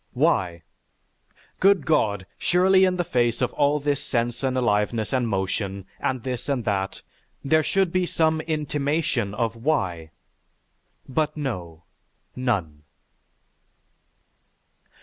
Why? Good God surely in the face of all this sense of aliveness and motion, and this and that, there should be some intimation of WHY? But no none.